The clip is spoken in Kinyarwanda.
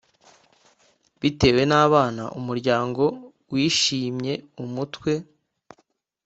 bitewe n abana umuryango wishimye umutwe